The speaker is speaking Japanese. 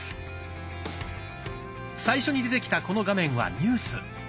最初に出てきたこの画面は「ニュース」。